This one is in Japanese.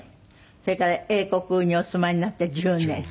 それから英国にお住まいになって１０年。